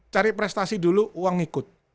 cari prestasi dulu uang ikut